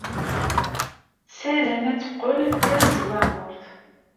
Tessaram ad teqqel d tanesbaɣurt.